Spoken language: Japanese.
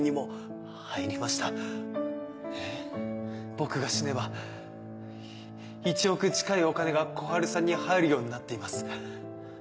僕が死ねば１億近いお金が小春さんに入るようになっています。